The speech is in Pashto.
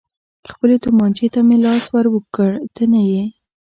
خپلې تومانچې ته مې لاس ور اوږد کړ، ته نه یې.